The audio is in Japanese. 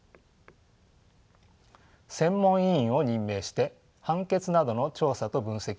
専門委員を任命して判決などの調査と分析を行うことにしたのです。